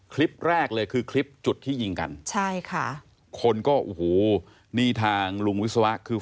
คลิปแรกเลยคือคลิปจุดที่ยิงกันใช่ค่ะคนก็โอ้โหนี่ทางลุงวิศวะคือ